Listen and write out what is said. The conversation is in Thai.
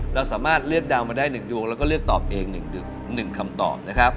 เราสามารถเลือกดาวมาได้๑ดวงแล้วก็เลือกตอบเอง๑คำตอบนะครับ